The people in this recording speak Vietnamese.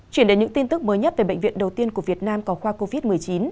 chuyển đến những tin tức mới nhất về bệnh viện đầu tiên của việt nam có khoa covid một mươi chín